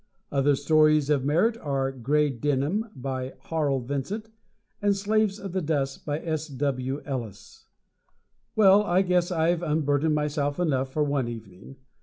Other stories of merit are "Gray Denim," by Harl Vincent and "Slaves of the Dust," by S. W. Ellis. Well, I guess I've unburdened myself enough for one evening.